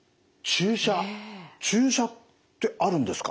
注射ってあるんですか？